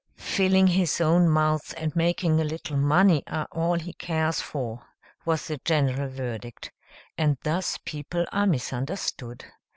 "Filling his own mouth and making a little money are all he cares for," was the general verdict. And thus people are misunderstood.